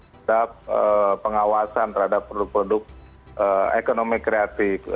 terhadap pengawasan terhadap produk produk ekonomi kreatif